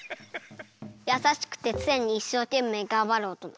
やさしくてつねにいっしょうけんめいがんばるおとな。